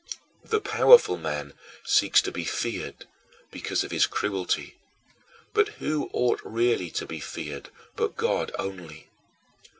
The powerful man seeks to be feared, because of his cruelty; but who ought really to be feared but God only?